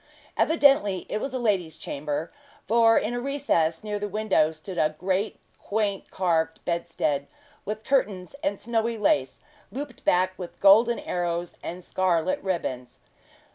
Evidently it was a lady's chamber; for in a recess near the window stood a great quaint carved bedstead, with curtains and snowy lace, looped back with golden arrows and scarlet ribbons.